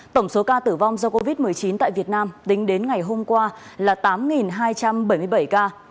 tổng số ca tử vong do covid một mươi chín tại việt nam tính đến ngày hôm qua là tám hai trăm bảy mươi bảy ca